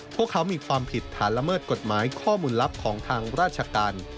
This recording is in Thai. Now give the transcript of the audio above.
พวกเขามีความผิดฐานละเมิดกฎหมายข้อมูลลับของทางราชการ